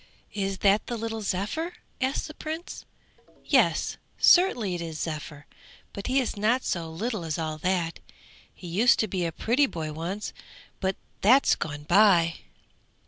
'Is that the little Zephyr?' asked the Prince. 'Yes, certainly it is Zephyr, but he is not so little as all that. He used to be a pretty boy once, but that's gone by!'